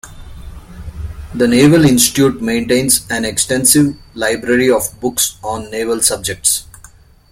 The Naval Institute maintains an extensive library of books on naval subjects.